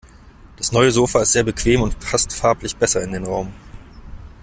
Das neue Sofa ist sehr bequem und passt farblich besser in den Raum.